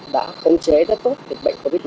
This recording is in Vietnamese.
đã công chế rất tốt việc bệnh covid một mươi chín